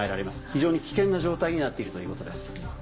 非常に危険な状態になっているということです。